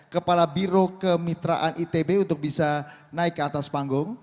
kepala biro kemitraan itb untuk bisa naik ke atas panggung